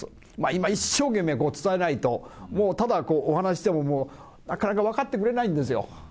今、一生懸命伝えないと、もうただお話しても、もう、なかなか分かってくれないんですよ。